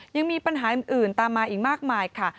ยังมีปัญหาอื่นตามมาอีกมากมายค่ะ